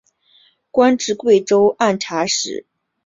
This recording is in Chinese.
官至贵州按察使。